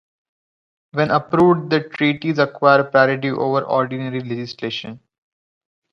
When approved, the treaties acquire priority over ordinary legislation.